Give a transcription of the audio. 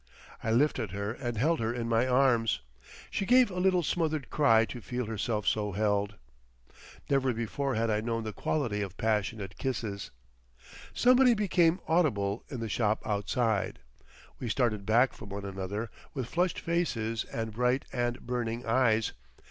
I lifted her and held her in my arms. She gave a little smothered cry to feel herself so held. Never before had I known the quality of passionate kisses. Somebody became audible in the shop outside. We started back from one another with flushed faces and bright and burning eyes.